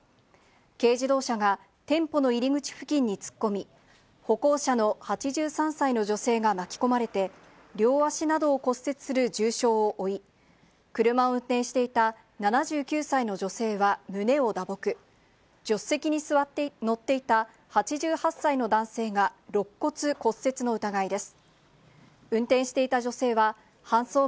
軽自動車が店舗の入り口付近に突っ込み、歩行者の８３歳の女性が巻き込まれて、両足などを骨折する重傷を負い、車を運転していた７９歳の女性は胸を打撲、助手席に乗っていた８８歳の男性がろっ骨骨折の疑いです。